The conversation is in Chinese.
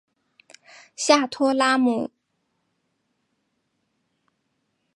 下托拉姆。